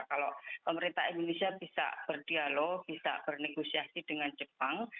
kalau pemerintah indonesia bisa berdialog bisa bernegosiasi dengan jepang